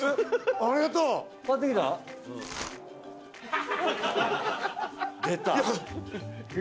ありがとう。出た。